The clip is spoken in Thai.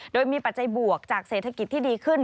โดยมีปัจจัยบวกจากเศรษฐกิจที่ดีขึ้น